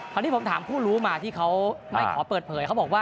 คราวนี้ผมถามผู้รู้มาที่เขาไม่ขอเปิดเผยเขาบอกว่า